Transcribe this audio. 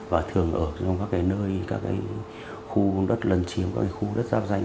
và thường ở trong các nơi các khu đất lân chiếm các khu đất giáp danh